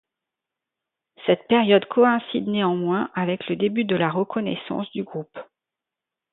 Cette période coïncide néanmoins avec le début de la reconnaissance du groupe.